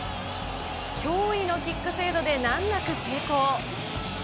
驚異のキック精度で難なく成功。